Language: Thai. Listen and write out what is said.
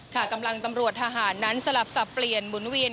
กำลังตำรวจทหารนั้นสลับสับเปลี่ยนหมุนเวียน